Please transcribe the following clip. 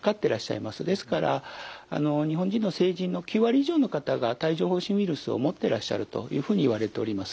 ですから日本人の成人の９割以上の方が帯状ほう疹ウイルスを持ってらっしゃるというふうにいわれております。